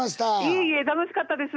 いいえ楽しかったです。